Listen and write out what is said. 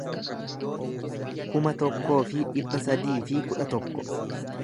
kuma tokkoo fi dhibba sadii fi kudha tokko